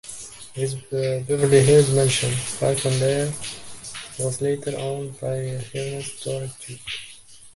His Beverly Hills mansion, Falcon Lair, was later owned by heiress Doris Duke.